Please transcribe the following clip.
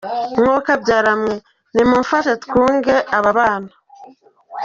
Mwokabyara mwe, nimumfashe twunge aba bana.